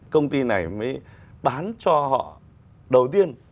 công ty này mới bán cho họ đầu tiên